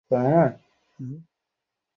তুমি চাও লোকেরা আমাদের বঞ্চিত করুক, হা?